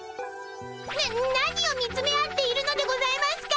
な何を見つめ合っているのでございますか！